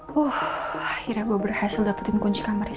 jika saya benar benar tidak tahu apa yang terjadi